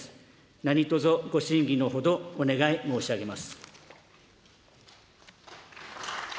何とぞご審議のほどお願い申し上げます。